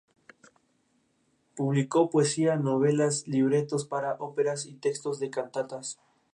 Publicó poesía, novelas, libretos para óperas, y textos de cantatas.